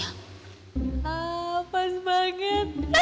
ah pas banget